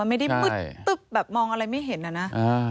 ไม่ได้มืดตึ๊บแบบมองอะไรไม่เห็นอะนะ